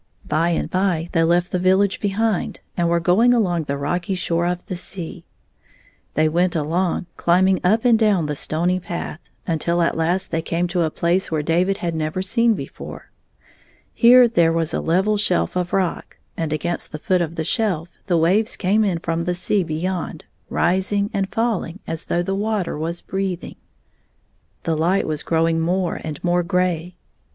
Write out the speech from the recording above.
By and by they left the village behind, and were going along the rocky shore of the sea. They went along, climbing up and down the stony path, until at last they came to a place where David had never been before. Here there was a level shelf of rock, and against the foot of the shelf the waves came in from the sea beyond, rising and falling as though the water was breathing. The 24 light was growing more and more gray.